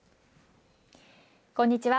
こんにちは。